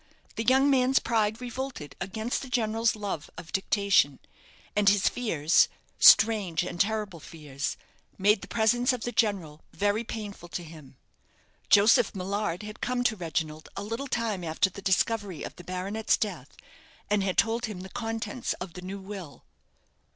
The young man's pride revolted against the general's love of dictation; and his fears strange and terrible fears made the presence of the general very painful to him. Joseph Millard had come to Reginald a little time after the discovery of the baronet's death, and had told him the contents of the new will.